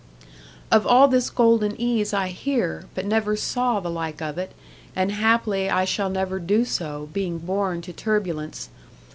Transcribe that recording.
'Of all this golden ease I hear, but never saw the like of it; and, haply, I shall never do so, being born to turbulence.